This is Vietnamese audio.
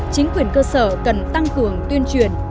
chính quyền cơ sở cần tăng cường tuyên truyền